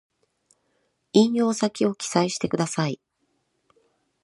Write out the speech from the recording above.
引用先を記載してください